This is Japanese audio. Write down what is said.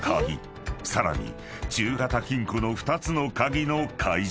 ［さらに中型金庫の２つの鍵の解錠］